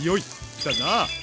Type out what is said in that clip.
来たな。